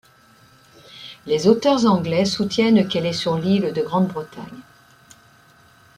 Les auteurs anglais soutiennent qu'elle est sur l'île de Grande-Bretagne.